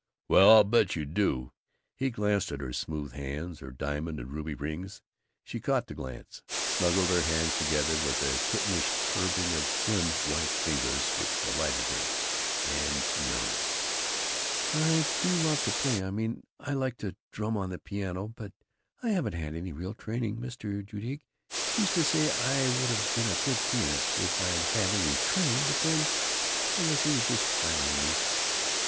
"Well, I'll bet you do!" He glanced at her smooth hands, her diamond and ruby rings. She caught the glance, snuggled her hands together with a kittenish curving of slim white fingers which delighted him, and yearned: "I do love to play I mean I like to drum on the piano, but I haven't had any real training. Mr. Judique used to say I would've been a good pianist if I'd had any training, but then, I guess he was just flattering me."